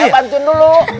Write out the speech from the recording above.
saya bantu dulu